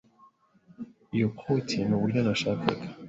Iyo koti nuburyo nashakaga.